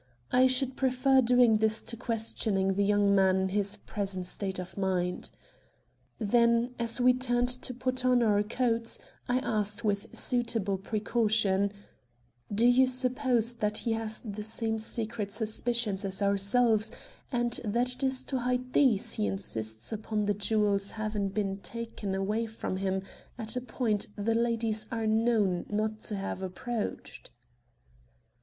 "I should prefer doing this to questioning the young man in his present state of mind." Then, as we turned to put on our coats, I asked with suitable precaution: "Do you suppose that he has the same secret suspicions as ourselves, and that it is to hide these he insists upon the jewel's having been taken away from him at a point the ladies are known not to have approached?"